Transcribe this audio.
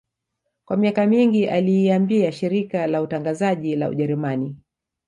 Kwa miaka mingi aliiambia shirika la utangazaji la Ujerumani